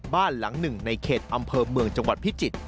บ้านหลังหนึ่งในเขตอำเภอเมืองจังหวัดพิจิตร